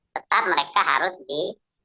tetap mereka harus di